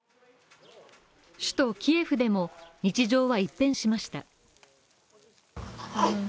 首都キエフでも、日常は一変しました。